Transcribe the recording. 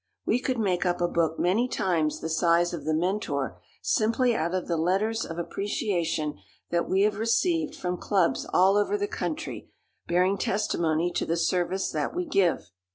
We could make up a book many times the size of The Mentor simply out of the letters of appreciation that we have received from clubs all over the country bearing testimony to the service that we give.